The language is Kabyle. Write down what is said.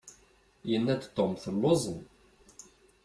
Yenna-d Tom telluẓem.